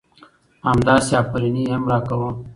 همداسې افرينى يې هم را کوه .